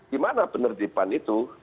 di mana penerbitan itu